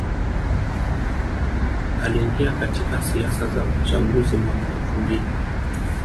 Aliingia katika siasa za uchaguzi mwaka elfu mbili